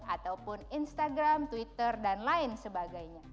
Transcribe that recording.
ataupun instagram twitter dan lain sebagainya